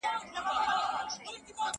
لرغونو خلګو ټولني ته پام کاوه؟